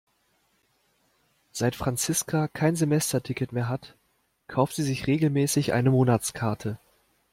Seit Franziska kein Semesterticket mehr hat, kauft sie sich regelmäßig eine Monatskarte.